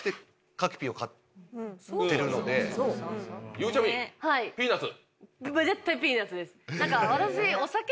ゆうちゃみピーナッツ。